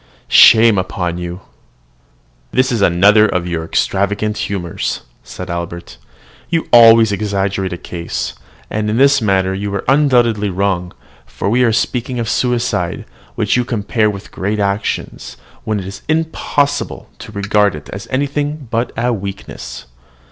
Shame upon you, ye sages!" "This is another of your extravagant humours," said Albert: "you always exaggerate a case, and in this matter you are undoubtedly wrong; for we were speaking of suicide, which you compare with great actions, when it is impossible to regard it as anything but a weakness.